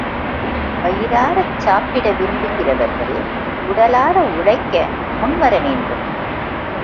வயிறாரச் சாப்பிட விரும்புகிறவர்கள் உடலார உழைக்க முன்வரவேண்டும்.